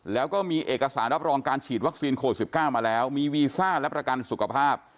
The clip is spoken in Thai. แล้วก็มีเอกสารรับรองการฉีดวัคซีนโควิด๑๙มาแล้วมีวีซ่าและประกันสุขภาพ